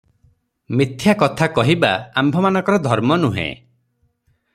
ମିଥ୍ୟା କଥା କହିବା ଆମ୍ଭମାନଙ୍କର ଧର୍ମନୁହେଁ ।